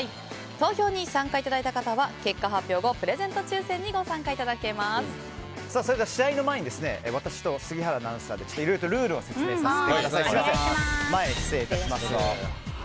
投票に参加いただいた方は結果発表後、プレゼント抽選に試合の前に私と杉原アナウンサーでいろいろとルールを説明させてください。